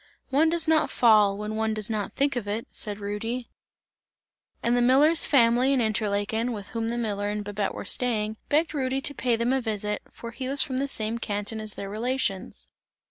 "One does not fall, when one does not think of it!" said Rudy. And the miller's family in Interlaken, with whom the miller and Babette were staying, begged Rudy to pay them a visit, for he was from the same canton as their relations.